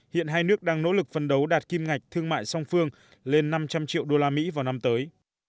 hiện hai nước đang nỗ lực phân đấu đạt kim ngạch thương mại song phương lên năm trăm linh triệu đô la mỹ vào năm tới